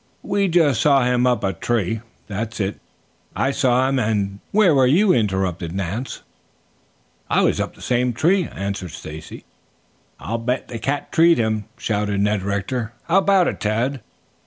We just saw him up a tree that is, I saw him, and " "Where were you?" interrupted Nance. "I was up the same tree," answered Stacy. "I'll bet the cat treed him," shouted Ned Rector. "How about it, Tad?"